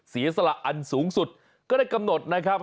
เสียสละอันสูงสุดก็ได้กำหนดนะครับ